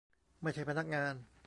ไม่ใช่พนักงาน